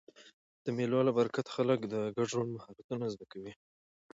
د مېلو له برکته خلک د ګډ ژوند مهارتونه زده کوي.